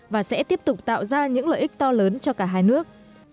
và sẽ tiếp tục tạo ra những lợi ích to lớn cho cả hai nước